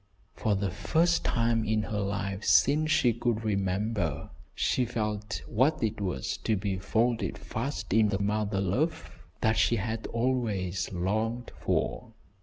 For the first time in her life since she could remember, she felt what it was to be folded fast in the mother love that she had always longed for.